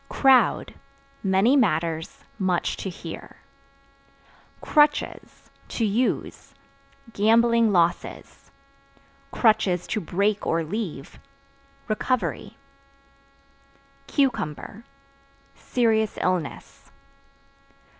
Crowd Many matters, much to hear. Crutches (To use) gambling losses; (to break or leave) recovery. Cucumber Serious illness.